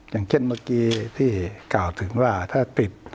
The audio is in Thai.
อย่างเช่นเมื่อกี้ที่กล่าวถึงว่าถ้าปิด